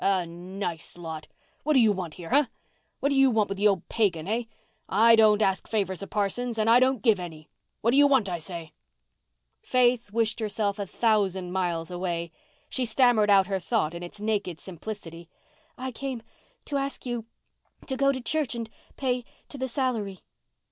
A nice lot! What do you want here, hey? What do you want of the old pagan, hey? I don't ask favours of parsons—and I don't give any. What do you want, I say?" Faith wished herself a thousand miles away. She stammered out her thought in its naked simplicity. "I came—to ask you—to go to church—and pay—to the salary."